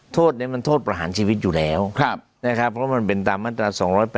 โทษนี้มันโทษประหารชีวิตอยู่แล้วนะครับเพราะมันเป็นตามมาตรา๒๘๘